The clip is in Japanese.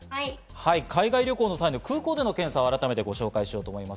海外旅行の際の空港での検査を改めてご紹介します。